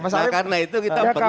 nah karena itu kita perlu ada karakter